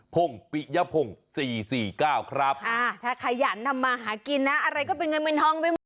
พ่งปิยพ่งสี่สี่เก้าครับอ่าถ้าขยันทำมาหากินนะอะไรก็เป็นเงินเงินทอง